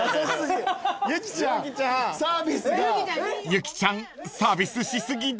［ゆきちゃんサービスし過ぎです］